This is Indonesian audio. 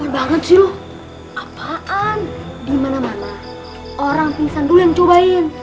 banget sih loh apaan dimana mana orang pingsan dulu yang cobain